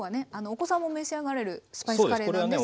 お子さんも召し上がれるスパイスカレーなんですけれども。